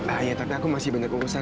ah iya tapi aku masih banyak urusan di